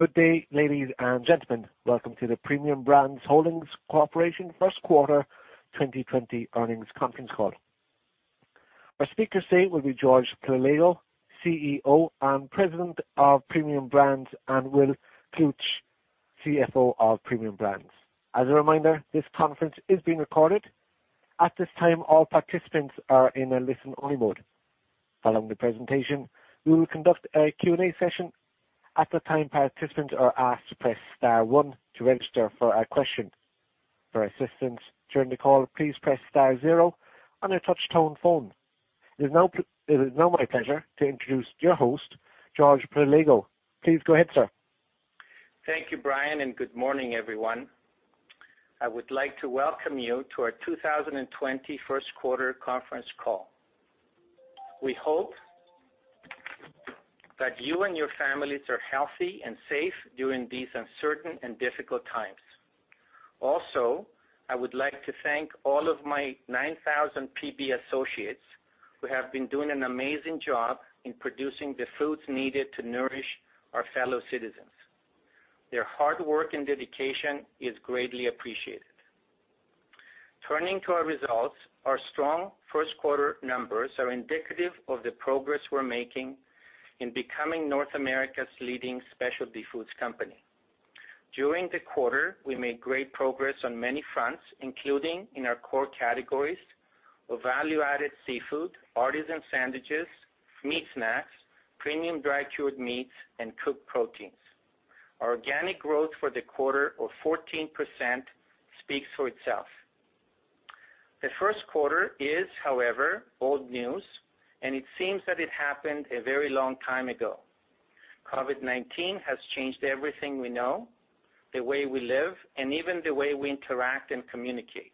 Good day, ladies and gentlemen. Welcome to the Premium Brands Holdings Corporation First Quarter 2020 Earnings Conference Call. Our speakers today will be George Paleologou, Chief Executive Officer and President of Premium Brands, and Will Kalutycz, Chief Financial Officer of Premium Brands. As a reminder, this conference is being recorded. At this time, all participants are in a listen-only mode. Following the presentation, we will conduct a Q&A session. At that time, participants are asked to press star one to register for a question. For assistance during the call, please press star zero on your touch-tone phone. It is now my pleasure to introduce your host, George Paleologou. Please go ahead, sir. Thank you, Brian, and good morning, everyone. I would like to welcome you to our 2020 first quarter conference call. We hope that you and your families are healthy and safe during these uncertain and difficult times. Also, I would like to thank all of my 9,000 PB associates who have been doing an amazing job in producing the foods needed to nourish our fellow citizens. Their hard work and dedication is greatly appreciated. Turning to our results, our strong first quarter numbers are indicative of the progress we're making in becoming North America's leading specialty foods company. During the quarter, we made great progress on many fronts, including in our core categories of value-added seafood, artisan sandwiches, meat snacks, premium dry cured meats, and cooked proteins. Our organic growth for the quarter of 14% speaks for itself. The first quarter is, however, old news, and it seems that it happened a very long time ago. COVID-19 has changed everything we know, the way we live, and even the way we interact and communicate.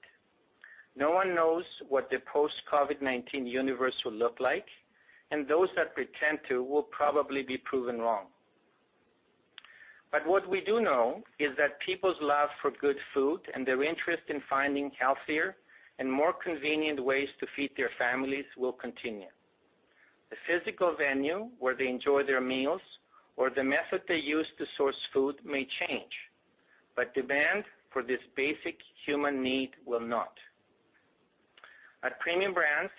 No one knows what the post-COVID-19 universe will look like, and those that pretend to will probably be proven wrong. What we do know is that people's love for good food and their interest in finding healthier and more convenient ways to feed their families will continue. The physical venue where they enjoy their meals or the method they use to source food may change, but demand for this basic human need will not. At Premium Brands,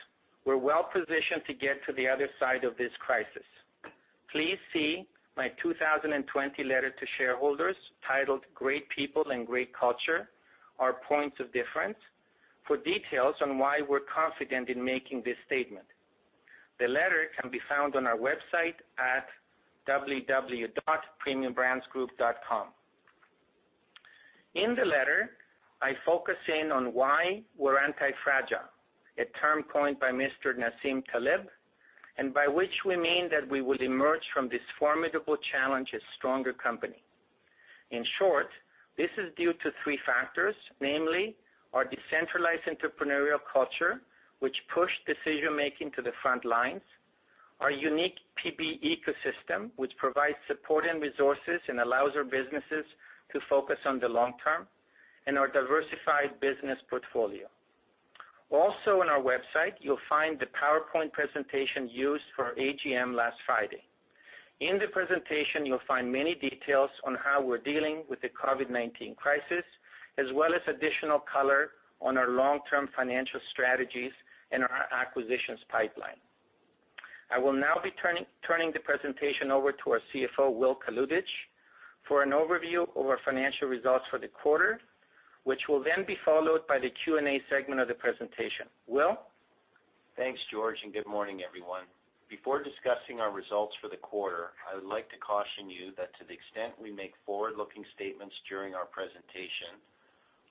we're well-positioned to get to the other side of this crisis. Please see my 2020 letter to shareholders titled "Great People and Great Culture: Our Points of Difference" for details on why we're confident in making this statement. The letter can be found on our website at www.premiumbrandsholdings.com. In the letter, I focus in on why we're antifragile, a term coined by Mr. Nassim Taleb, and by which we mean that we will emerge from this formidable challenge a stronger company. In short, this is due to three factors, namely our decentralized entrepreneurial culture, which pushed decision-making to the front lines; our unique PB ecosystem, which provides support and resources and allows our businesses to focus on the long term; and our diversified business portfolio. Also on our website, you'll find the PowerPoint presentation used for our AGM last Friday. In the presentation, you'll find many details on how we're dealing with the COVID-19 crisis, as well as additional color on our long-term financial strategies and our acquisitions pipeline. I will now be turning the presentation over to our Chief Financial Officer, Will Kalutycz, for an overview of our financial results for the quarter, which will then be followed by the Q&A segment of the presentation. Will? Thanks, George, and good morning, everyone. Before discussing our results for the quarter, I would like to caution you that to the extent we make forward-looking statements during our presentation,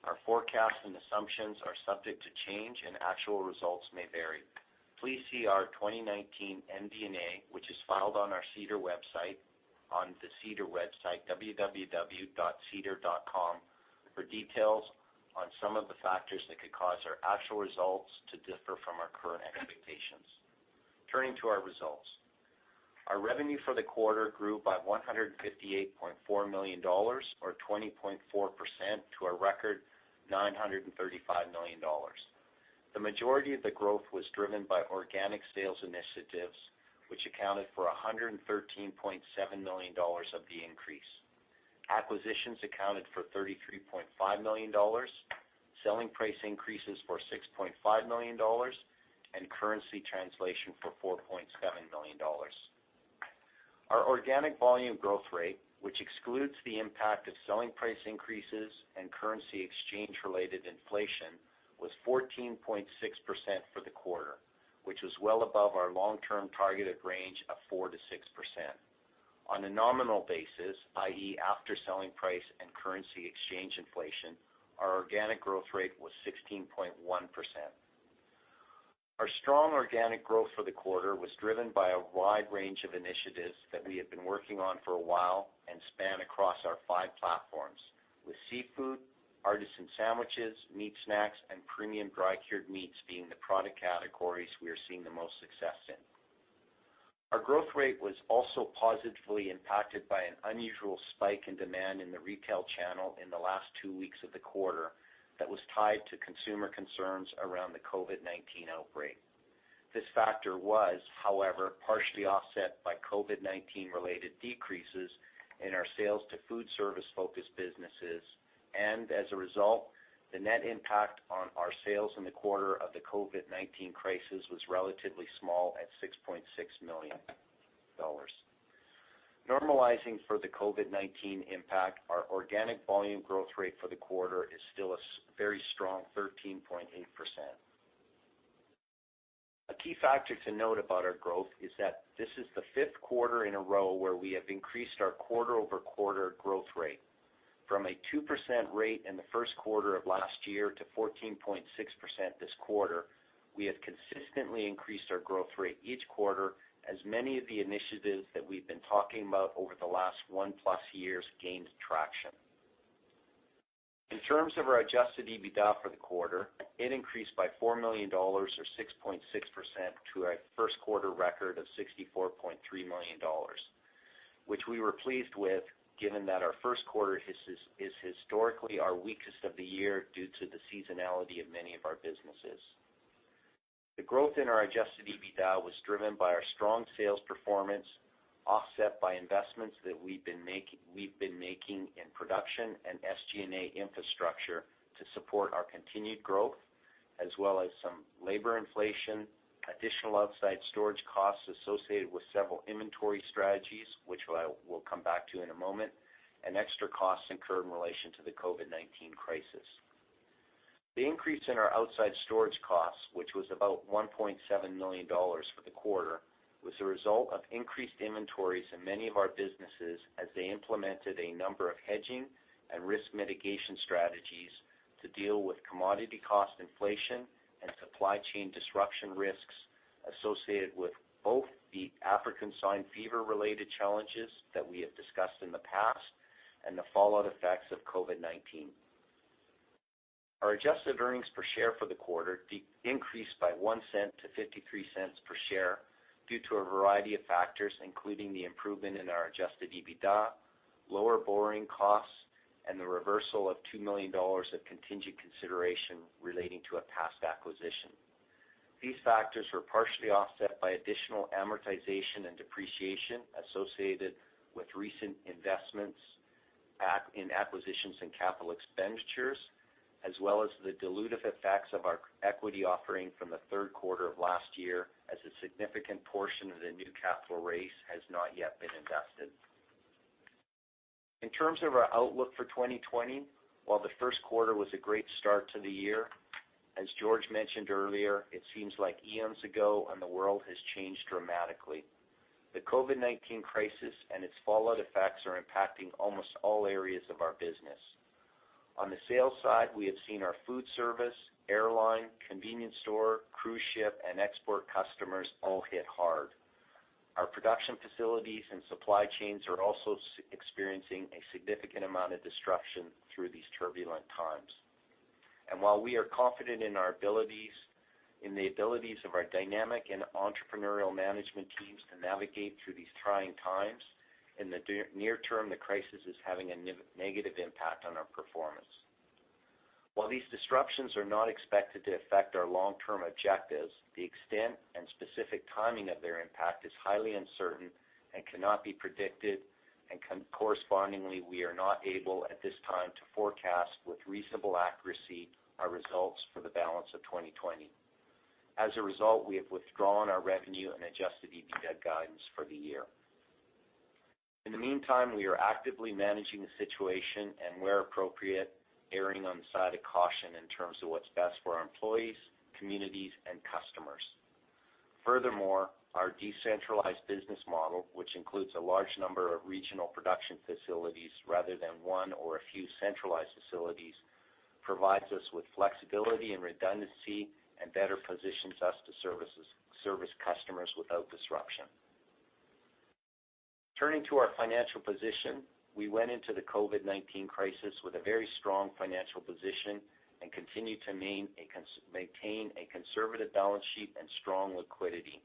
our forecasts and assumptions are subject to change and actual results may vary. Please see our 2019 MD&A, which is filed on the SEDAR website, www.sedar.com, for details on some of the factors that could cause our actual results to differ from our current expectations. Turning to our results. Our revenue for the quarter grew by 158.4 million dollars, or 20.4%, to a record 935 million dollars. The majority of the growth was driven by organic sales initiatives, which accounted for 113.7 million dollars of the increase. Acquisitions accounted for 33.5 million dollars, selling price increases for 6.5 million dollars and currency translation for 4.7 million dollars. Our organic volume growth rate, which excludes the impact of selling price increases and currency exchange related inflation, was 14.6% for the quarter, which was well above our long-term targeted range of 4%-6%. On a nominal basis, i.e., after selling price and currency exchange inflation, our organic growth rate was 16.1%. Our strong organic growth for the quarter was driven by a wide range of initiatives that we have been working on for a while and span across our five platforms, with seafood, artisan sandwiches, meat snacks, and premium dry cured meats being the product categories we are seeing the most success in. Our growth rate was also positively impacted by an unusual spike in demand in the retail channel in the last two weeks of the quarter that was tied to consumer concerns around the COVID-19 outbreak. This factor was, however, partially offset by COVID-19 related decreases in our sales to food service-focused businesses. As a result, the net impact on our sales in the quarter of the COVID-19 crisis was relatively small at 6.6 million dollars. Normalizing for the COVID-19 impact, our organic volume growth rate for the quarter is still a very strong 13.8%. A key factor to note about our growth is that this is the fifth quarter in a row where we have increased our quarter-over-quarter growth rate from a 2% rate in the first quarter of last year to 14.6% this quarter. We have consistently increased our growth rate each quarter as many of the initiatives that we've been talking about over the last one-plus years gained traction. In terms of our adjusted EBITDA for the quarter, it increased by 4 million dollars, or 6.6% to our first quarter record of 64.3 million dollars, which we were pleased with given that our first quarter is historically our weakest of the year due to the seasonality of many of our businesses. The growth in our adjusted EBITDA was driven by our strong sales performance, offset by investments that we've been making in production and SG&A infrastructure to support our continued growth, as well as some labor inflation, additional outside storage costs associated with several inventory strategies, which I will come back to in a moment, and extra costs incurred in relation to the COVID-19 crisis. The increase in our outside storage costs, which was about 1.7 million dollars for the quarter, was a result of increased inventories in many of our businesses as they implemented a number of hedging and risk mitigation strategies to deal with commodity cost inflation and supply chain disruption risks associated with both the African swine fever related challenges that we have discussed in the past and the fallout effects of COVID-19. Our adjusted earnings per share for the quarter increased by 0.01 to 0.53 per share due to a variety of factors, including the improvement in our adjusted EBITDA, lower borrowing costs, and the reversal of 2 million dollars of contingent consideration relating to a past acquisition. These factors were partially offset by additional amortization and depreciation associated with recent investments in acquisitions and capital expenditures, as well as the dilutive effects of our equity offering from the third quarter of last year as a significant portion of the new capital raise has not yet been invested. In terms of our outlook for 2020, while the first quarter was a great start to the year, as George mentioned earlier, it seems like eons ago and the world has changed dramatically. The COVID-19 crisis and its fallout effects are impacting almost all areas of our business. On the sales side, we have seen our food service, airline, convenience store, cruise ship, and export customers all hit hard. Our production facilities and supply chains are also experiencing a significant amount of disruption through these turbulent times. While we are confident in the abilities of our dynamic and entrepreneurial management teams to navigate through these trying times, in the near term, the crisis is having a negative impact on our performance. While these disruptions are not expected to affect our long-term objectives, the extent and specific timing of their impact is highly uncertain and cannot be predicted, and correspondingly, we are not able at this time to forecast with reasonable accuracy our results for the balance of 2020. As a result, we have withdrawn our revenue and adjusted EBITDA guidance for the year. In the meantime, we are actively managing the situation and, where appropriate, erring on the side of caution in terms of what's best for our employees, communities, and customers. Furthermore, our decentralized business model, which includes a large number of regional production facilities rather than one or a few centralized facilities, provides us with flexibility and redundancy and better positions us to service customers without disruption. Turning to our financial position, we went into the COVID-19 crisis with a very strong financial position and continue to maintain a conservative balance sheet and strong liquidity.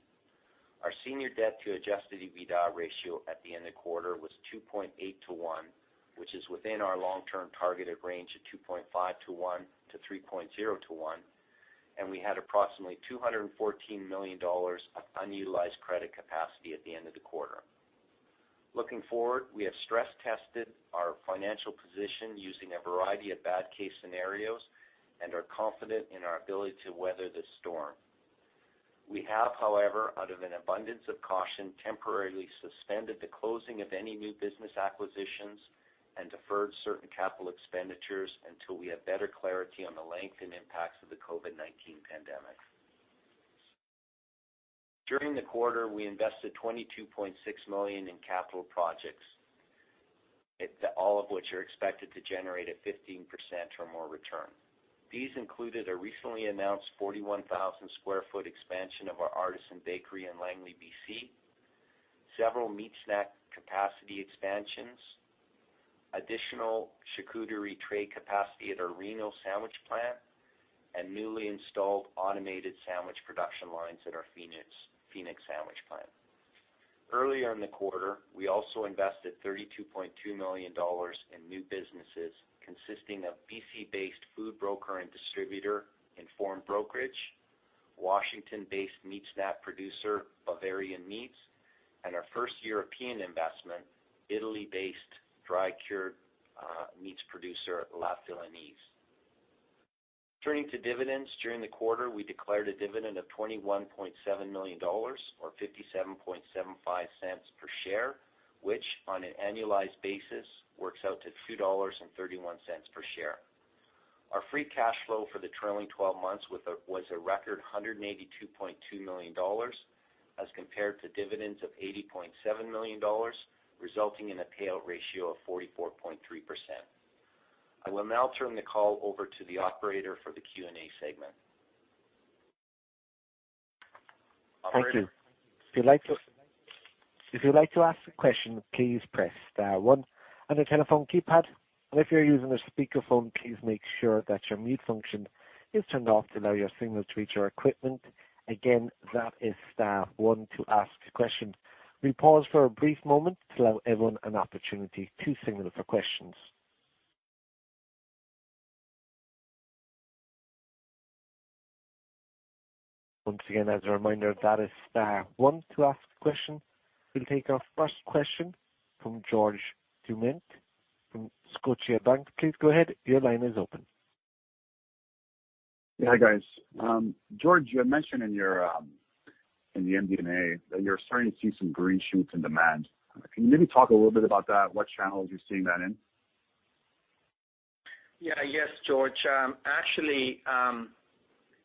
Our senior debt to adjusted EBITDA ratio at the end of the quarter was 2.8 to one, which is within our long-term targeted range of 2.5 to one to 3.0 to one, and we had approximately 214 million dollars of unutilized credit capacity at the end of the quarter. Looking forward, we have stress tested our financial position using a variety of bad case scenarios and are confident in our ability to weather this storm. We have, however, out of an abundance of caution, temporarily suspended the closing of any new business acquisitions and deferred certain capital expenditures until we have better clarity on the length and impacts of the COVID-19 pandemic. During the quarter, we invested 22.6 million in capital projects, all of which are expected to generate a 15% or more return. These included a recently announced 41,000 sq ft expansion of our artisan bakery in Langley, B.C., several meat snack capacity expansions, additional charcuterie tray capacity at our Reno sandwich plant, and newly installed automated sandwich production lines at our Phoenix sandwich plant. Earlier in the quarter, we also invested 32.2 million dollars in new businesses consisting of B.C.-based food broker and distributor, Inform Food Brokerage, Washington-based meat snack producer, Bavarian Meats, and our first European investment, Italy-based dry cured meats producer, La Felinese. Turning to dividends. During the quarter, we declared a dividend of 21.7 million dollars or 0.5775 per share, which on an annualized basis works out to 2.31 dollars per share. Our free cash flow for the trailing 12 months was a record 182.2 million dollars as compared to dividends of 80.7 million dollars, resulting in a payout ratio of 44.3%. I will now turn the call over to the operator for the Q&A segment. Thank you. If you'd like to ask a question, please press star one on your telephone keypad. If you're using a speakerphone, please make sure that your mute function is turned off to allow your signal to reach our equipment. Again, that is star one to ask a question. We pause for a brief moment to allow everyone an opportunity to signal for questions. Once again, as a reminder, that is star one to ask a question. We'll take our first question from George Doumet from Scotiabank. Please go ahead. Your line is open. Yeah. Hi, guys. George, you had mentioned in the MD&A that you're starting to see some green shoots in demand. Can you maybe talk a little bit about that, what channels you're seeing that in? Yes, George. Actually,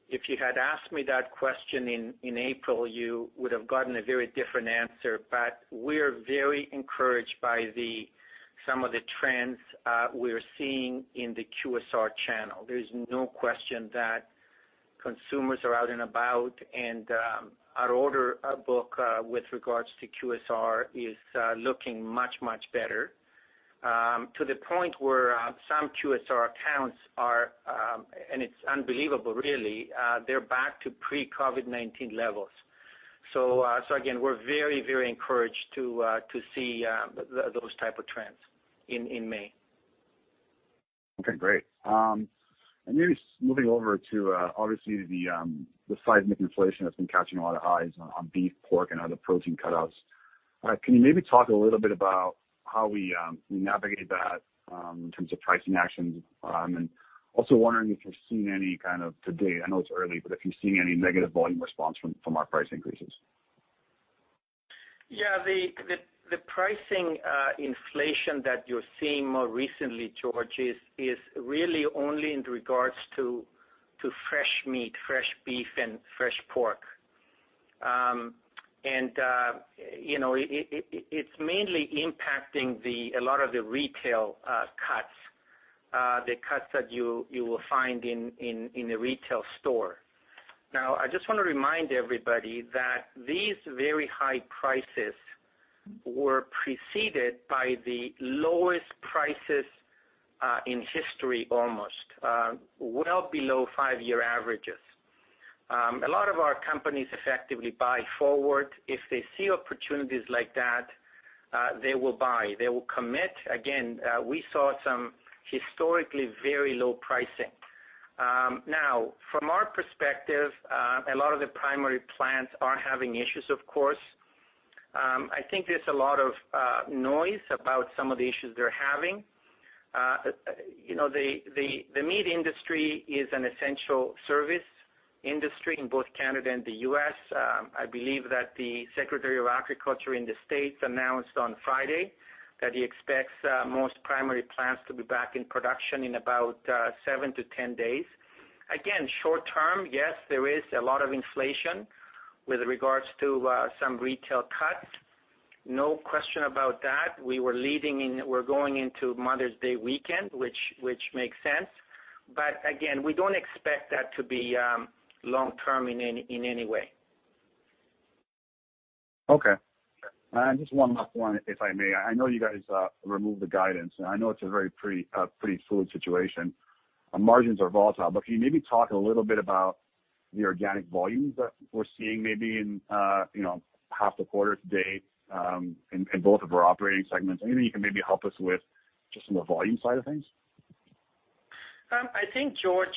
if you had asked me that question in April, you would have gotten a very different answer. We're very encouraged by some of the trends we're seeing in the QSR channel. There's no question that consumers are out and about and our order book with regards to QSR is looking much, much better, to the point where some QSR accounts are, and it's unbelievable really, they're back to pre-COVID-19 levels. Again, we're very encouraged to see those type of trends in May. Okay, great. Maybe moving over to, obviously the seismic inflation that's been catching a lot of eyes on beef, pork, and other protein cutouts. Can you maybe talk a little bit about how we navigate that in terms of pricing actions? Also wondering if you're seeing any kind of to date, I know it's early, but if you're seeing any negative volume response from our price increases? Yeah, the pricing inflation that you're seeing more recently, George, is really only in regards to fresh meat, fresh beef and fresh pork. It's mainly impacting a lot of the retail cuts, the cuts that you will find in the retail store. Now, I just want to remind everybody that these very high prices were preceded by the lowest prices in history almost, well below five-year averages. A lot of our companies effectively buy forward. If they see opportunities like that, they will buy. They will commit. Again, we saw some historically very low pricing. Now, from our perspective, a lot of the primary plants are having issues of course. I think there's a lot of noise about some of the issues they're having. The meat industry is an essential service industry in both Canada and the U.S. I believe that the Secretary of Agriculture in the U.S. announced on Friday that he expects most primary plants to be back in production in about seven to 10 days. Again, short term, yes, there is a lot of inflation with regards to some retail cut. No question about that. We're going into Mother's Day weekend, which makes sense. Again, we don't expect that to be long-term in any way. Okay. Just one last one, if I may. I know you guys removed the guidance, and I know it's a very pretty fluid situation. Margins are volatile. Can you maybe talk a little bit about the organic volumes that we're seeing maybe in half the quarter to date in both of our operating segments? Anything you can maybe help us with just on the volume side of things? I think, George,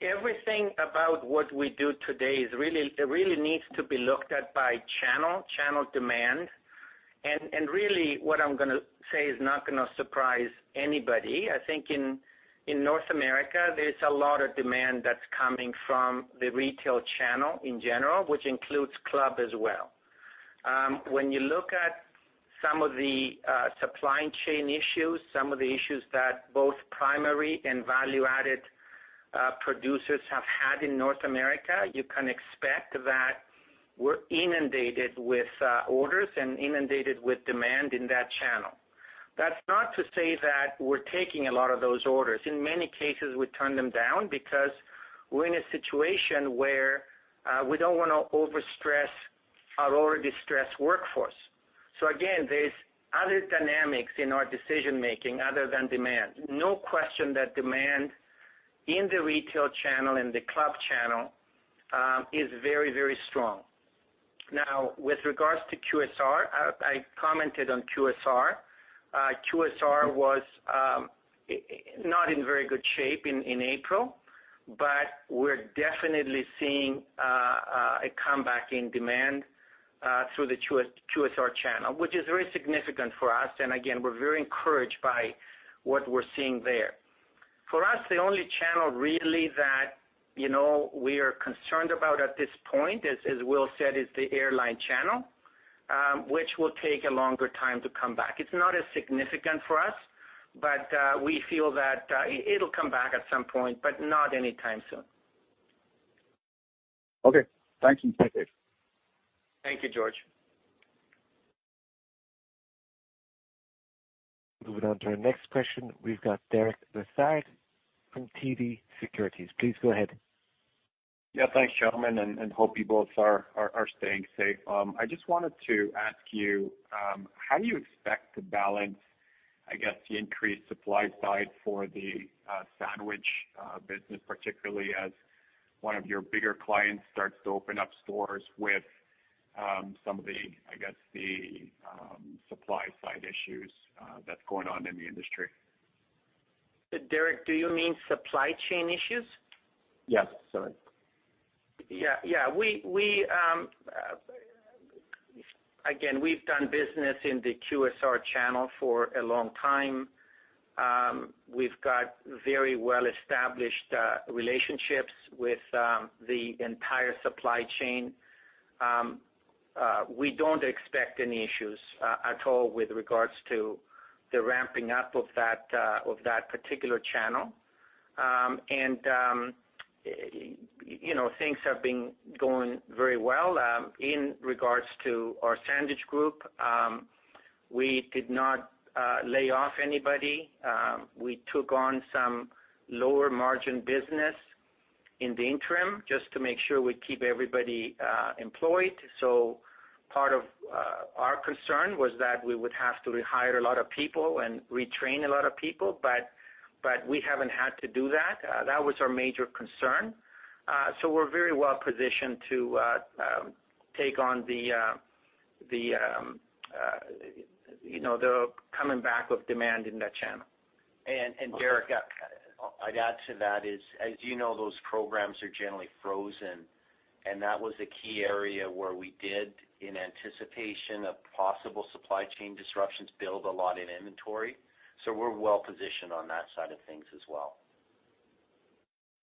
everything about what we do today really needs to be looked at by channel demand. Really what I'm going to say is not going to surprise anybody. I think in North America, there's a lot of demand that's coming from the retail channel in general, which includes club as well. When you look at some of the supply chain issues, some of the issues that both primary and value-added producers have had in North America, you can expect that we're inundated with orders and inundated with demand in that channel. That's not to say that we're taking a lot of those orders. In many cases, we turn them down because we don't want to overstress our already stressed workforce. Again, there's other dynamics in our decision-making other than demand. No question that demand In the retail channel and the club channel is very strong. Now, with regards to QSR, I commented on QSR. QSR was not in very good shape in April, but we're definitely seeing a comeback in demand through the QSR channel, which is very significant for us. We're very encouraged by what we're seeing there. For us, the only channel really that we are concerned about at this point, as Will said, is the airline channel, which will take a longer time to come back. It's not as significant for us, but we feel that it'll come back at some point, but not anytime soon. Okay. Thank you. Take care. Thank you, George. Moving on to our next question, we've got Derek Lessard from TD Securities. Please go ahead. Thanks, gentlemen, and hope you both are staying safe. I just wanted to ask you, how do you expect to balance, I guess, the increased supply side for the sandwich business, particularly as one of your bigger clients starts to open up stores with some of the supply side issues that is going on in the industry? Derek, do you mean supply chain issues? Yes, sorry. Yeah. We've done business in the QSR channel for a long time. We've got very well-established relationships with the entire supply chain. We don't expect any issues at all with regards to the ramping up of that particular channel. Things have been going very well in regards to our sandwich group. We did not lay off anybody. We took on some lower margin business in the interim just to make sure we keep everybody employed. Part of our concern was that we would have to rehire a lot of people and retrain a lot of people, but we haven't had to do that. That was our major concern. We're very well positioned to take on the coming back of demand in that channel. Derek, I'd add to that is, as you know, those programs are generally frozen, and that was a key area where we did, in anticipation of possible supply chain disruptions, build a lot in inventory. We're well positioned on that side of things as well.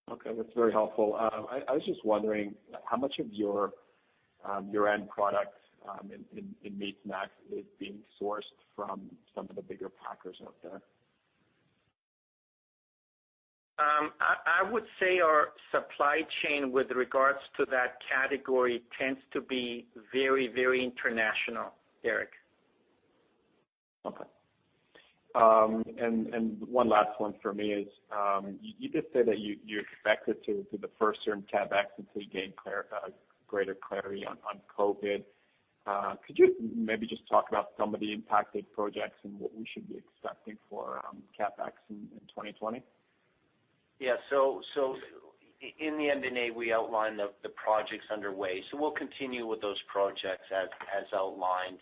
That's very helpful. I was just wondering how much of your end products in meat snacks is being sourced from some of the bigger packers out there? I would say our supply chain with regards to that category tends to be very international, Derek. Okay. One last one for me is, you just said that you expected to defer certain CapEx until you gain greater clarity on COVID. Could you maybe just talk about some of the impacted projects and what we should be expecting for CapEx in 2020? Yeah. In the MD&A, we outlined the projects underway. We'll continue with those projects as outlined.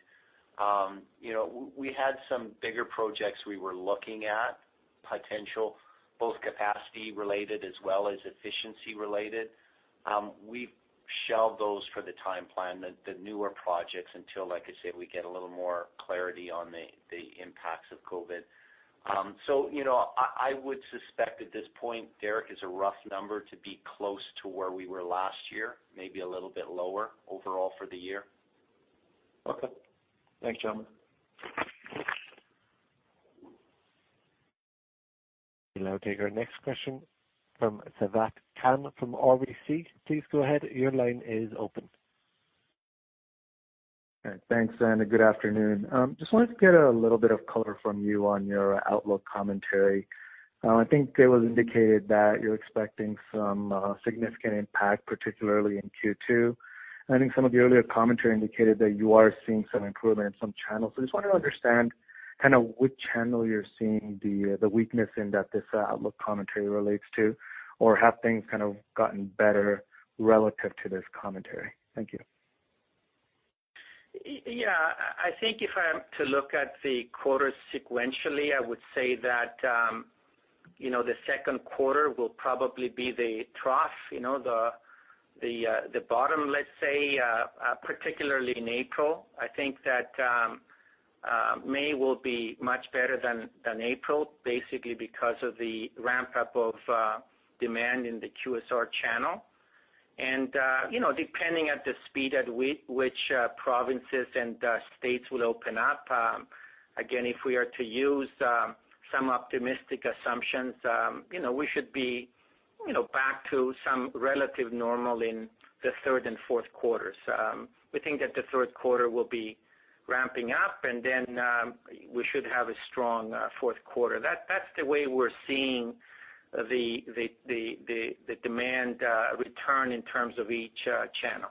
We had some bigger projects we were looking at potential, both capacity related as well as efficiency related. We've shelved those for the time plan, the newer projects, until, like I said, we get a little more clarity on the impacts of COVID. I would suspect at this point, Derek, as a rough number to be close to where we were last year, maybe a little bit lower overall for the year. Okay. Thanks, gentlemen. We'll now take our next question from Sabahat Khan from RBC. Please go ahead. Your line is open. Thanks, good afternoon. Just wanted to get a little bit of color from you on your outlook commentary. I think it was indicated that you're expecting some significant impact, particularly in Q2. I think some of the earlier commentary indicated that you are seeing some improvement in some channels. Just wanted to understand kind of which channel you're seeing the weakness in that this outlook commentary relates to, or have things kind of gotten better relative to this commentary? Thank you. Yeah. I think if I am to look at the quarter sequentially, I would say that the second quarter will probably be the trough, the bottom, let's say, particularly in April. I think that May will be much better than April, basically because of the ramp-up of demand in the QSR channel. Depending at the speed at which provinces and states will open up, again, if we are to use some optimistic assumptions, we should be back to some relative normal in the third and fourth quarters. We think that the third quarter will be ramping up, and then we should have a strong fourth quarter. That's the way we're seeing the demand return in terms of each channel.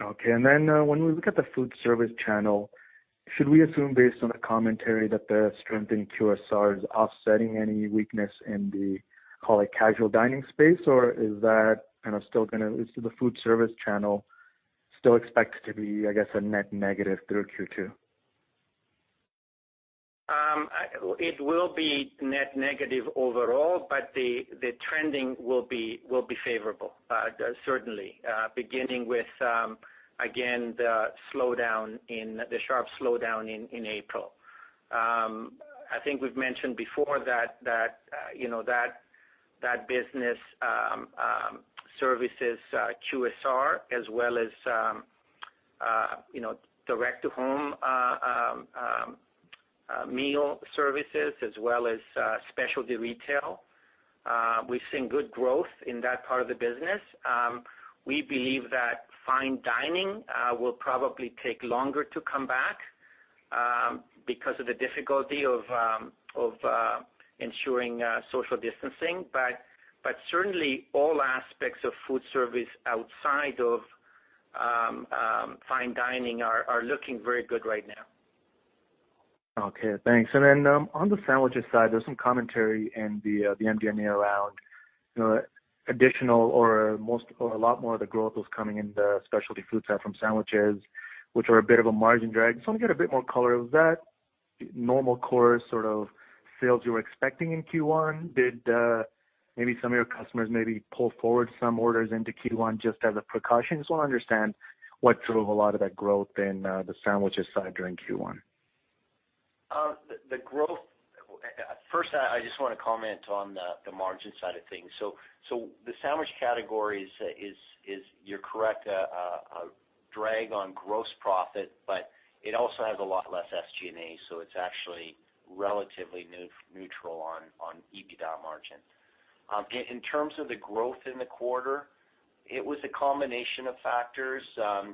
Okay. When we look at the food service channel, should we assume based on the commentary that the strength in QSR is offsetting any weakness in the, call it, casual dining space, or is the food service channel still expected to be, I guess, a net negative through Q2? It will be net negative overall. The trending will be favorable, certainly, beginning with, again, the sharp slowdown in April. I think we've mentioned before that business services QSR as well as direct to home meal services as well as specialty retail. We've seen good growth in that part of the business. We believe that fine dining will probably take longer to come back because of the difficulty of ensuring social distancing. Certainly all aspects of food service outside of fine dining are looking very good right now. Okay, thanks. On the sandwiches side, there's some commentary in the MD&A around additional or a lot more of the growth was coming in the specialty food side from sandwiches, which are a bit of a margin drag. Just want to get a bit more color. Was that normal course sales you were expecting in Q1? Did maybe some of your customers maybe pull forward some orders into Q1 just as a precaution? Just want to understand what drove a lot of that growth in the sandwiches side during Q1. First, I just want to comment on the margin side of things. The sandwich category is, you're correct, a drag on gross profit, but it also has a lot less SG&A, so it's actually relatively neutral on EBITDA margin. In terms of the growth in the quarter, it was a combination of factors.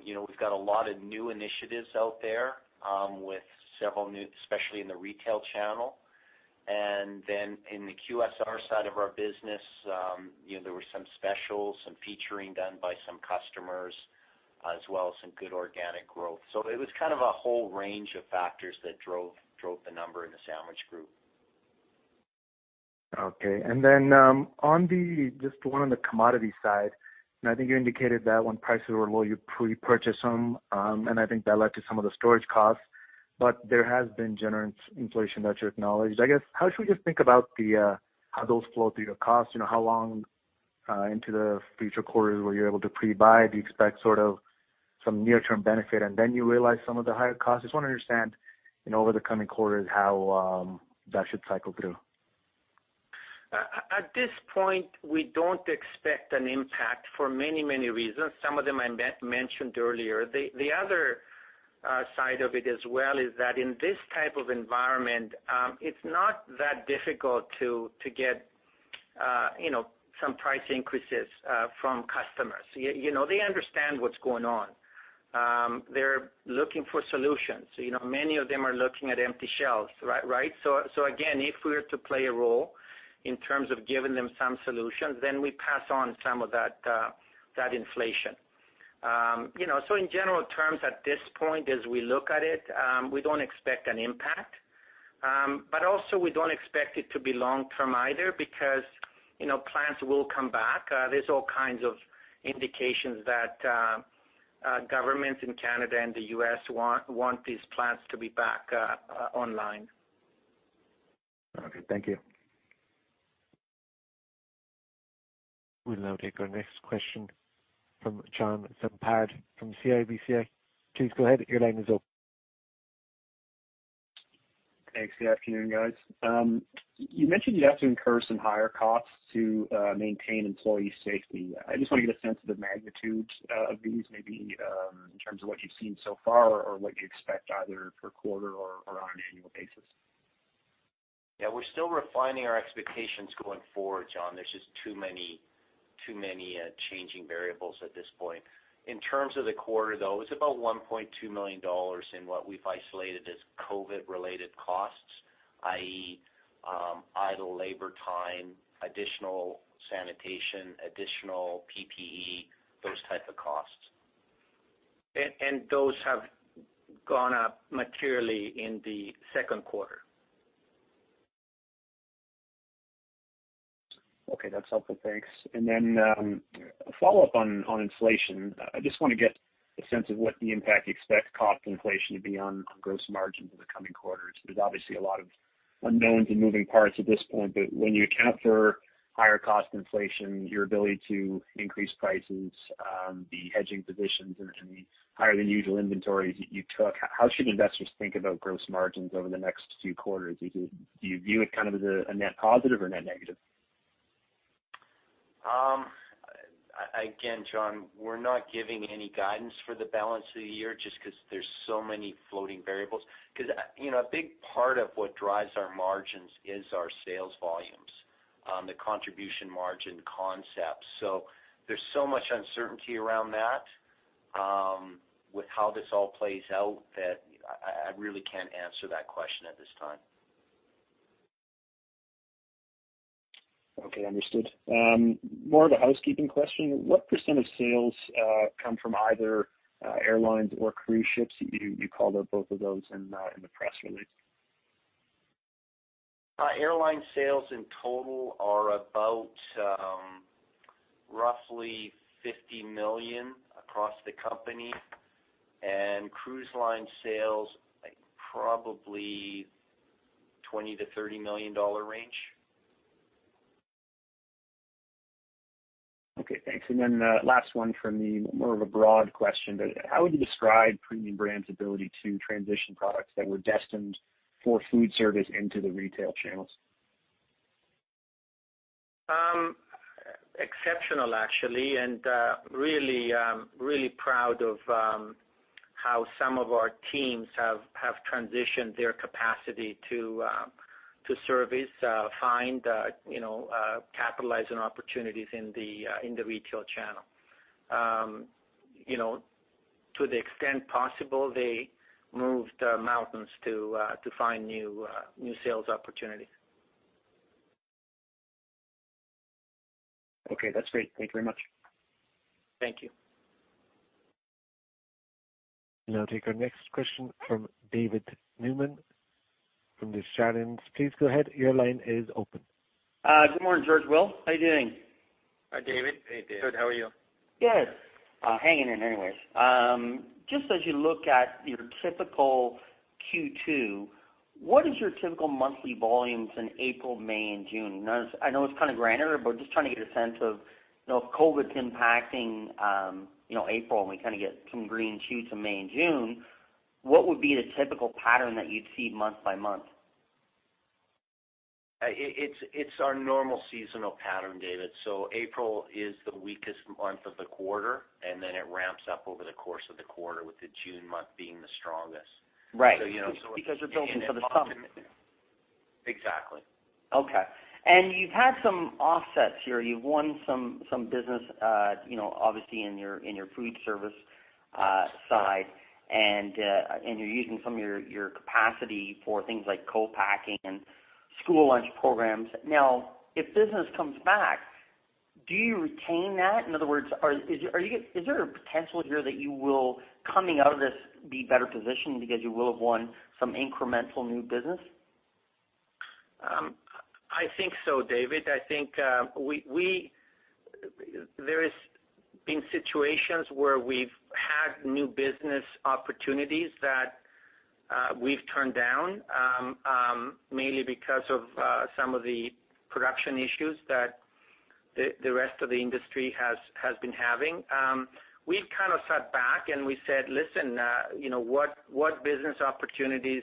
We've got a lot of new initiatives out there, especially in the retail channel. In the QSR side of our business, there were some specials, some featuring done by some customers, as well as some good organic growth. It was kind of a whole range of factors that drove the number in the sandwich group. Okay. Then just one on the commodity side, and I think you indicated that when prices were low, you pre-purchase them, and I think that led to some of the storage costs. There has been generous inflation that you acknowledged. I guess, how should we just think about how those flow through your costs? How long into the future quarters where you're able to pre-buy? Do you expect some near-term benefit and then you realize some of the higher costs? Just want to understand in over the coming quarters how that should cycle through. At this point, we don't expect an impact for many, many reasons. Some of them I mentioned earlier. The other side of it as well is that in this type of environment, it's not that difficult to get some price increases from customers. They understand what's going on. They're looking for solutions. Many of them are looking at empty shelves, right? Again, if we are to play a role in terms of giving them some solutions, then we pass on some of that inflation. In general terms, at this point, as we look at it, we don't expect an impact. Also we don't expect it to be long-term either because plants will come back. There's all kinds of indications that governments in Canada and the U.S. want these plants to be back online. Okay, thank you. We'll now take our next question from John Zamparo from CIBC. Please go ahead, your line is open. Thanks. Yeah, afternoon, guys. You mentioned you'd have to incur some higher costs to maintain employee safety. I just want to get a sense of the magnitude of these maybe in terms of what you've seen so far or what you expect either per quarter or on an annual basis. Yeah, we're still refining our expectations going forward, John. There's just too many changing variables at this point. In terms of the quarter, though, it's about 1.2 million dollars in what we've isolated as COVID related costs, i.e., idle labor time, additional sanitation, additional PPE, those type of costs. Those have gone up materially in the second quarter. Okay, that's helpful. Thanks. A follow-up on inflation. I just want to get a sense of what the impact you expect cost inflation to be on gross margins in the coming quarters. There's obviously a lot of unknowns and moving parts at this point, but when you account for higher cost inflation, your ability to increase prices, the hedging positions and the higher than usual inventories that you took, how should investors think about gross margins over the next few quarters? Do you view it kind of as a net positive or net negative? Again, John, we're not giving any guidance for the balance of the year just because there's so many floating variables. A big part of what drives our margins is our sales volumes, the contribution margin concept. There's so much uncertainty around that with how this all plays out that I really can't answer that question at this time. Okay, understood. More of a housekeeping question. What % of sales come from either airlines or cruise ships? You called out both of those in the press release. Airline sales in total are about roughly 50 million across the company, and cruise line sales, probably 20 million-30 million dollar range. Okay, thanks. Last one from me, more of a broad question. How would you describe Premium Brands' ability to transition products that were destined for food service into the retail channels? Exceptional, actually, and really proud of how some of our teams have transitioned their capacity to service, find, capitalize on opportunities in the retail channel. To the extent possible, they moved mountains to find new sales opportunities. Okay, that's great. Thank you very much. Thank you. Now take our next question from David Newman from Desjardins. Please go ahead. Your line is open. Good morning, George, Will. How are you doing? Hi, David. Hey, David. Good. How are you? Good. Hanging in anyways. As you look at your typical Q2, what is your typical monthly volumes in April, May, and June? I know it's kind of granular, just trying to get a sense of if COVID's impacting April, and we kind of get some green shoots in May and June, what would be the typical pattern that you'd see month by month? It's our normal seasonal pattern, David. April is the weakest month of the quarter, and then it ramps up over the course of the quarter, with the June month being the strongest. Right. You know. Because they're building for the summer. Exactly. Okay. You've had some offsets here. You've won some business, obviously in your food service side, and you're using some of your capacity for things like co-packing and school lunch programs. Now, if business comes back, do you retain that? In other words, is there a potential here that you will, coming out of this, be better positioned because you will have won some incremental new business? I think so, David. There has been situations where we've had new business opportunities that we've turned down, mainly because of some of the production issues that the rest of the industry has been having. We've kind of sat back and we said, "Listen, what business opportunities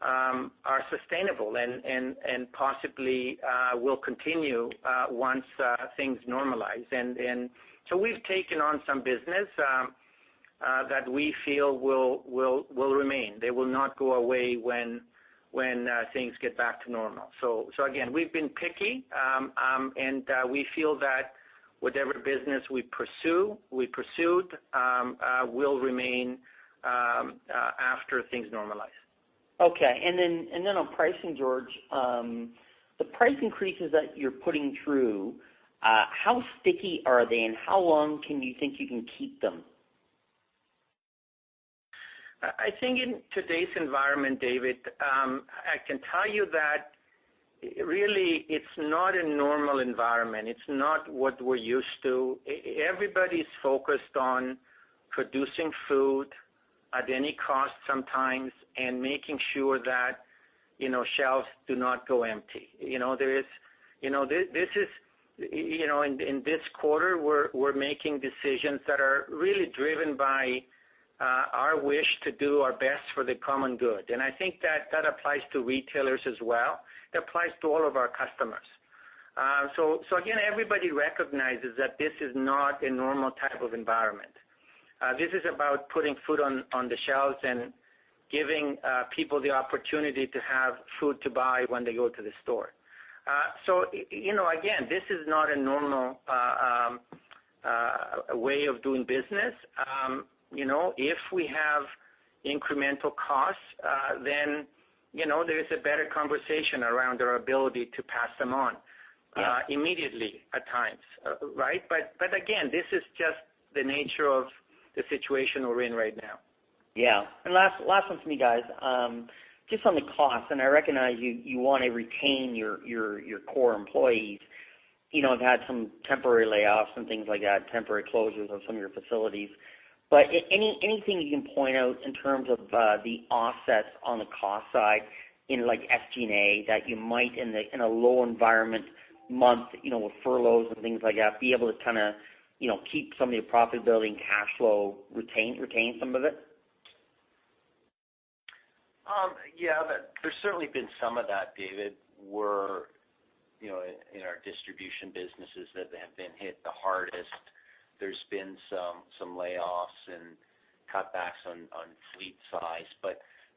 are sustainable and possibly will continue once things normalize?" We've taken on some business that we feel will remain. They will not go away when things get back to normal. Again, we've been picky, and we feel that whatever business we pursued will remain after things normalize. Okay. On pricing, George, the price increases that you're putting through, how sticky are they, and how long can you think you can keep them? I think in today's environment, David, I can tell you that really, it's not a normal environment. It's not what we're used to. Everybody's focused on producing food, at any cost sometimes, and making sure that shelves do not go empty. In this quarter, we're making decisions that are really driven by our wish to do our best for the common good. I think that applies to retailers as well. It applies to all of our customers. Again, everybody recognizes that this is not a normal type of environment. This is about putting food on the shelves and giving people the opportunity to have food to buy when they go to the store. Again, this is not a normal way of doing business. If we have incremental costs, then there is a better conversation around our ability to pass them on immediately at times. Right? Again, this is just the nature of the situation we're in right now. Yeah. Last one from me, guys. Just on the cost, and I recognize you want to retain your core employees. You've had some temporary layoffs and things like that, temporary closures of some of your facilities. Anything you can point out in terms of the offsets on the cost side in like SG&A that you might, in a low environment month, with furloughs and things like that, be able to kind of keep some of your profitability and cash flow, retain some of it? Yeah. There's certainly been some of that, David, where in our distribution businesses that have been hit the hardest, there's been some layoffs and cutbacks on fleet size.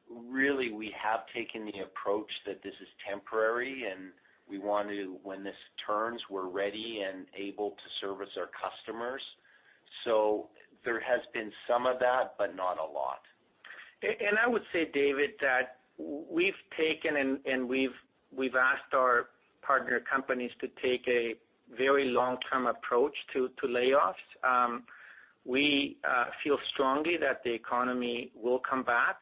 Really, we have taken the approach that this is temporary, and we want to, when this turns, we're ready and able to service our customers. There has been some of that, but not a lot. I would say, David, that we've taken and we've asked our partner companies to take a very long-term approach to layoffs. We feel strongly that the economy will come back.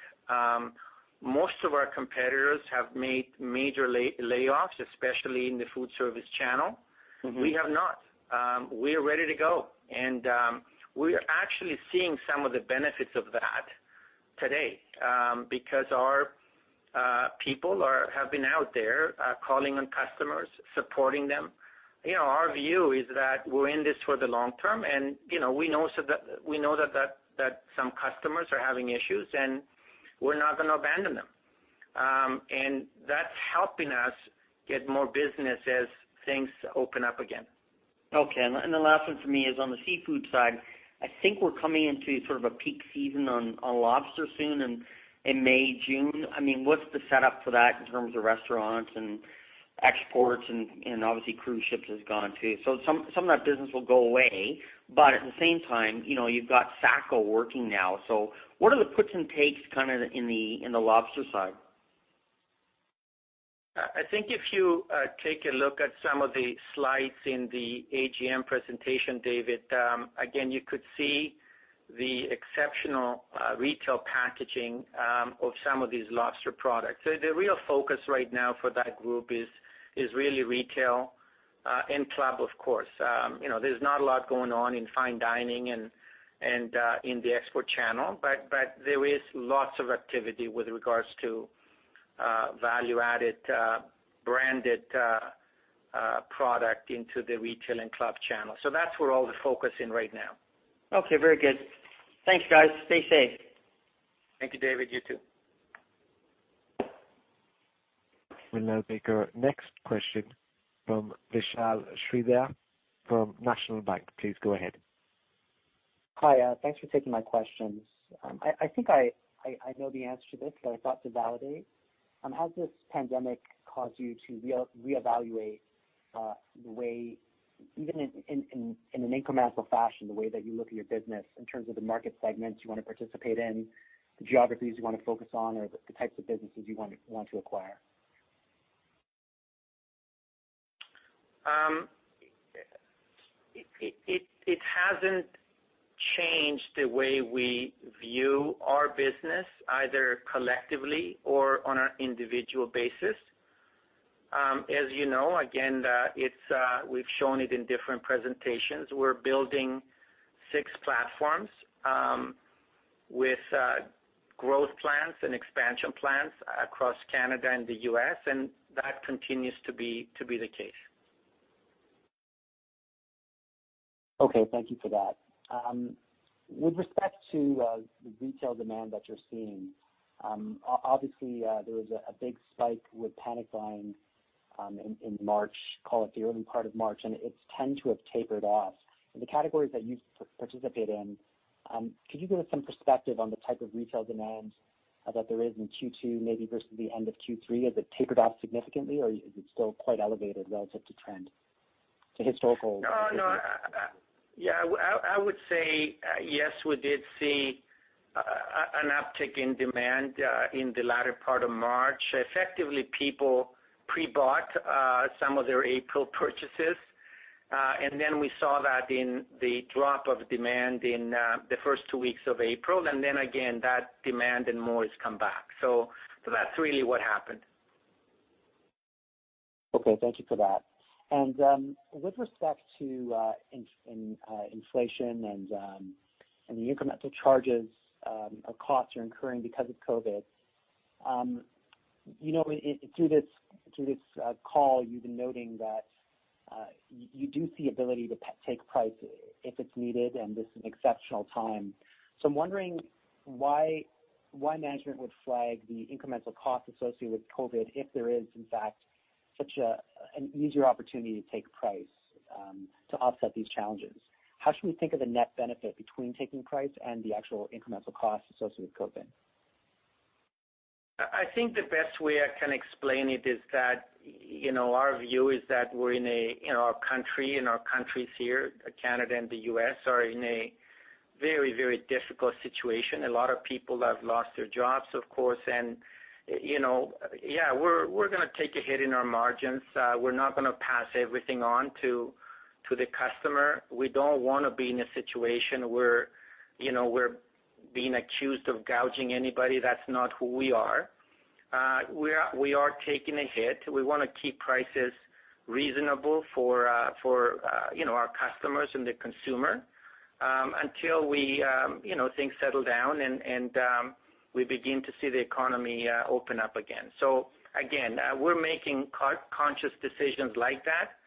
Most of our competitors have made major layoffs, especially in the food service channel. We have not. We are ready to go. We are actually seeing some of the benefits of that today, because our people have been out there calling on customers, supporting them. Our view is that we're in this for the long term, and we know that some customers are having issues, and we're not going to abandon them. That's helping us get more business as things open up again. Okay. The last one from me is on the seafood side. I think we're coming into sort of a peak season on lobster soon in May, June. What's the setup for that in terms of restaurants and exports, and obviously cruise ships has gone too. Some of that business will go away, but at the same time, you've got Saco working now. What are the puts and takes kind of in the lobster side? I think if you take a look at some of the slides in the AGM presentation, David, again, you could see the exceptional retail packaging of some of these lobster products. The real focus right now for that group is really retail and club, of course. There's not a lot going on in fine dining and in the export channel, but there is lots of activity with regards to value-added, branded product into the retail and club channel. That's where all the focus in right now. Okay, very good. Thanks, guys. Stay safe. Thank you, David. You too. We'll now take our next question from Vishal Shreedhar from National Bank. Please go ahead. Hi. Thanks for taking my questions. I think I know the answer to this, but I thought to validate. Has this pandemic caused you to reevaluate the way, even in an incremental fashion, the way that you look at your business in terms of the market segments you want to participate in, the geographies you want to focus on, or the types of businesses you want to acquire? It hasn't changed the way we view our business, either collectively or on an individual basis. You know, again, we've shown it in different presentations. We're building six platforms with growth plans and expansion plans across Canada and the U.S., and that continues to be the case. Okay, thank you for that. With respect to the retail demand that you're seeing, obviously, there was a big spike with panic buying in March, call it the early part of March, and it's tend to have tapered off. In the categories that you participate in, could you give us some perspective on the type of retail demand that there is in Q2 maybe versus the end of Q3? Has it tapered off significantly, or is it still quite elevated relative to trend? No. Yeah, I would say, yes, we did see an uptick in demand in the latter part of March. Effectively, people pre-bought some of their April purchases, and then we saw that in the drop of demand in the first two weeks of April. Then again, that demand and more has come back. That's really what happened. Okay, thank you for that. With respect to inflation and the incremental charges or costs you're incurring because of COVID, through this call, you've been noting that you do see ability to take price if it's needed, and this is an exceptional time. I'm wondering why management would flag the incremental cost associated with COVID if there is, in fact, such an easier opportunity to take price to offset these challenges. How should we think of the net benefit between taking price and the actual incremental cost associated with COVID? I think the best way I can explain it is that our view is that our country and our countries here, Canada and the U.S., are in a very difficult situation. A lot of people have lost their jobs, of course. Yeah, we're going to take a hit in our margins. We're not going to pass everything on to the customer. We don't want to be in a situation where we're being accused of gouging anybody. That's not who we are. We are taking a hit. We want to keep prices reasonable for our customers and the consumer until things settle down and we begin to see the economy open up again. Again, we're making conscious decisions like that,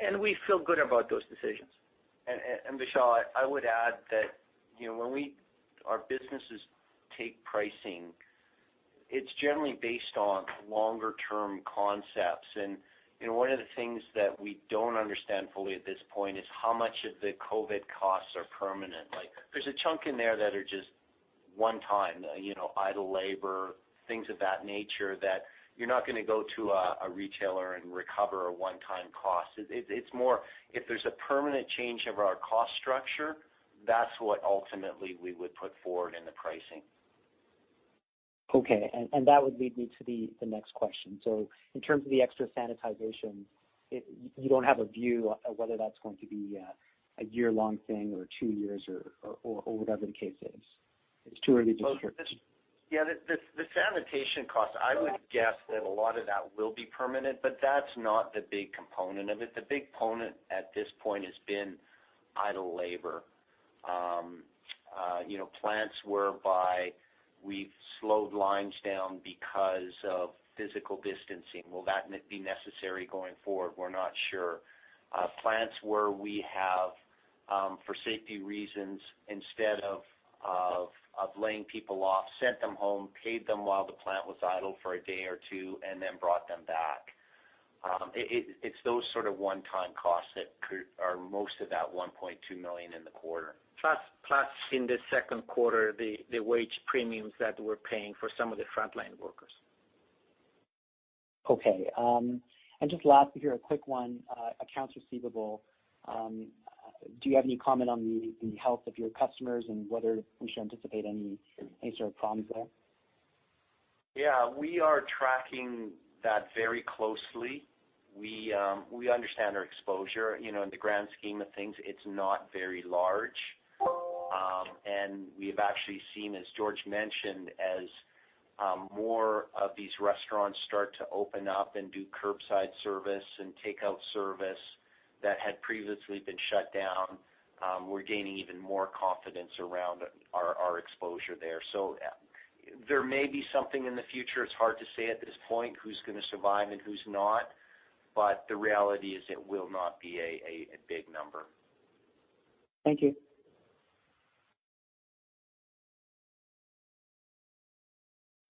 and we feel good about those decisions. Vishal, I would add that when our businesses take pricing, it's generally based on longer-term concepts. One of the things that we don't understand fully at this point is how much of the COVID costs are permanent. There's a chunk in there that are just one-time, idle labor, things of that nature that you're not going to go to a retailer and recover a one-time cost. It's more, if there's a permanent change of our cost structure, that's what ultimately we would put forward in the pricing. Okay. That would lead me to the next question. In terms of the extra sanitization, you don't have a view of whether that's going to be a year-long thing or two years or whatever the case is. It's too early to predict? Yeah. The sanitation cost, I would guess that a lot of that will be permanent, but that's not the big component of it. The big component at this point has been idle labor. Plants whereby we've slowed lines down because of physical distancing. Will that be necessary going forward? We're not sure. Plants where we have, for safety reasons, instead of laying people off, sent them home, paid them while the plant was idle for a day or two, and then brought them back. It's those sort of one-time costs that are most of that 1.2 million in the quarter. In the second quarter, the wage premiums that we're paying for some of the frontline workers. Okay. Just last here, a quick one. Accounts receivable. Do you have any comment on the health of your customers and whether we should anticipate any sort of problems there? Yeah. We are tracking that very closely. We understand our exposure. In the grand scheme of things, it's not very large. We've actually seen, as George mentioned, as more of these restaurants start to open up and do curbside service and takeout service that had previously been shut down, we're gaining even more confidence around our exposure there. There may be something in the future. It's hard to say at this point who's going to survive and who's not, but the reality is it will not be a big number. Thank you.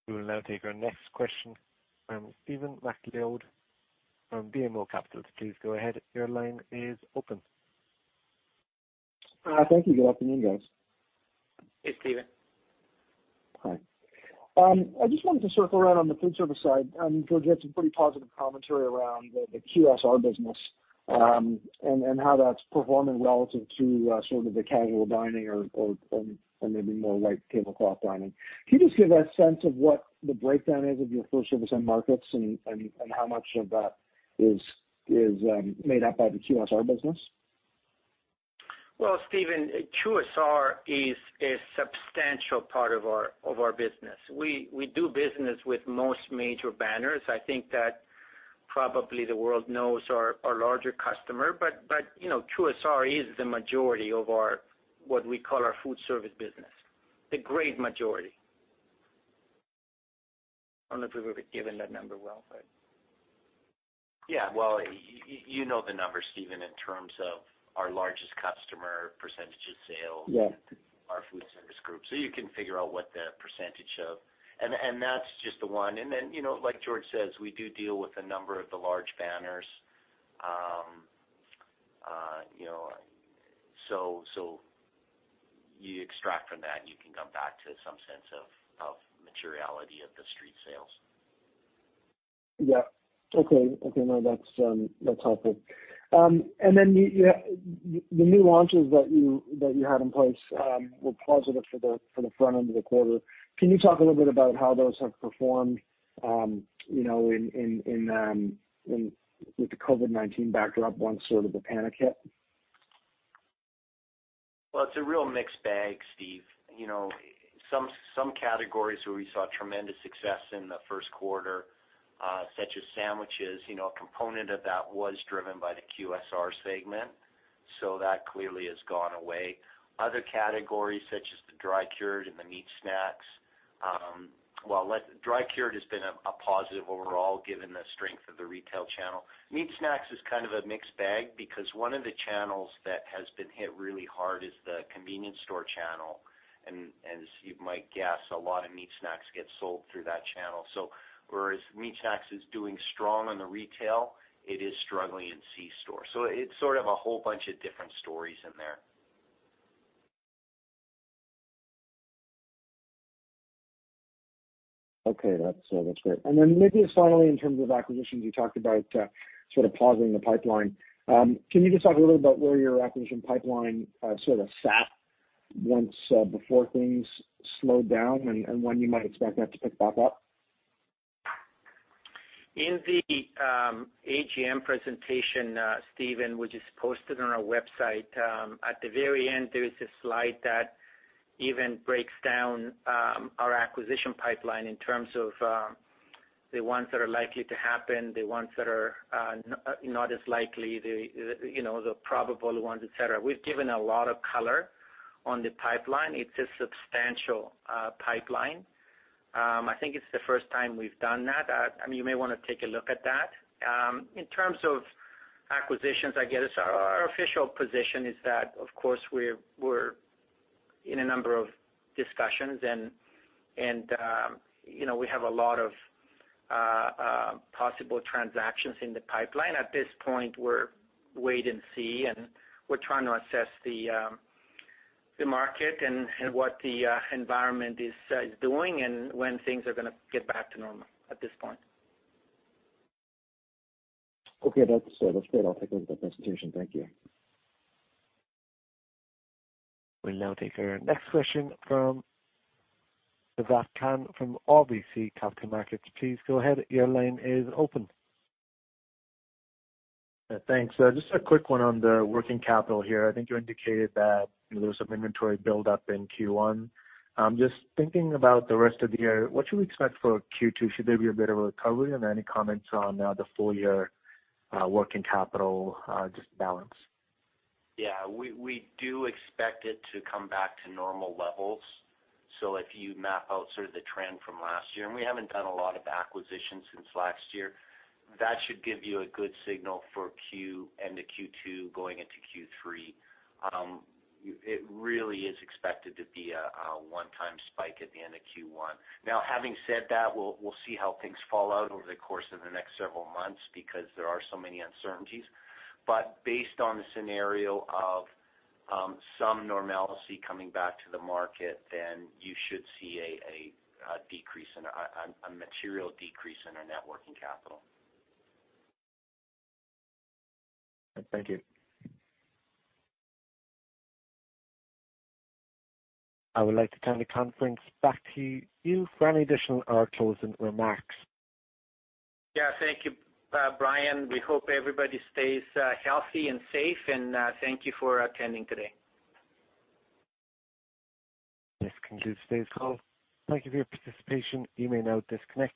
We will now take our next question from Stephen MacLeod from BMO Capital. Please go ahead. Your line is open. Thank you. Good afternoon, guys. Hey, Stephen. Hi. I just wanted to circle around on the food service side. George had some pretty positive commentary around the QSR business, and how that's performing relative to sort of the casual dining or maybe more like tablecloth dining. Can you just give a sense of what the breakdown is of your food service end markets and how much of that is made up by the QSR business? Well, Stephen, QSR is a substantial part of our business. We do business with most major banners. I think that probably the world knows our larger customer, but QSR is the majority of what we call our food service business. The great majority. I don't know if we've given that number, Will, but Yeah. Well, you know the numbers, Stephen, in terms of our largest customer percentage of sales- Yeah Our food service group. You can figure out what the percentage of That's just the one. Like George says, we do deal with a number of the large banners. You extract from that, and you can come back to some sense of materiality of the street sales. Yeah. Okay. No, that's helpful. The new launches that you had in place were positive for the front end of the quarter. Can you talk a little bit about how those have performed with the COVID-19 backdrop, once sort of the panic hit? It's a real mixed bag, Stephen. Some categories where we saw tremendous success in the first quarter, such as sandwiches, a component of that was driven by the QSR segment, that clearly has gone away. Other categories, such as the dry-cured and the meat snacks. Dry-cured has been a positive overall, given the strength of the retail channel. Meat snacks is kind of a mixed bag because one of the channels that has been hit really hard is the convenience store channel. As you might guess, a lot of meat snacks get sold through that channel. Whereas meat snacks is doing strong on the retail, it is struggling in C-store. It's sort of a whole bunch of different stories in there. Okay. That's great. Maybe just finally, in terms of acquisitions, you talked about sort of pausing the pipeline. Can you just talk a little about where your acquisition pipeline sort of sat once before things slowed down, and when you might expect that to pick back up? In the AGM presentation, Stephen, which is posted on our website, at the very end, there is a slide that even breaks down our acquisition pipeline in terms of the ones that are likely to happen, the ones that are not as likely, the probable ones, et cetera. We've given a lot of color on the pipeline. It's a substantial pipeline. I think it's the first time we've done that. You may want to take a look at that. In terms of acquisitions, I guess our official position is that, of course, we're in a number of discussions, and we have a lot of possible transactions in the pipeline. At this point, we're wait and see, and we're trying to assess the market and what the environment is doing and when things are going to get back to normal at this point. Okay, that's great. I'll take a look at that presentation. Thank you. We'll now take our next question from Sabahat Khan from RBC Capital Markets. Please go ahead. Your line is open. Thanks. Just a quick one on the working capital here. I think you indicated that there was some inventory buildup in Q1. Just thinking about the rest of the year, what should we expect for Q2? Should there be a bit of a recovery? Are there any comments on the full-year working capital, just balance? Yeah, we do expect it to come back to normal levels. If you map out sort of the trend from last year, and we haven't done a lot of acquisitions since last year, that should give you a good signal for Q end of Q2 going into Q3. It really is expected to be a one-time spike at the end of Q1. Now, having said that, we'll see how things fall out over the course of the next several months because there are so many uncertainties. Based on the scenario of some normalcy coming back to the market, then you should see a material decrease in our net working capital. Thank you. I would like to turn the conference back to you for any additional or closing remarks. Yeah. Thank you, Brian. We hope everybody stays healthy and safe, and thank you for attending today. This concludes today's call. Thank Thank you for your participation. You may now disconnect.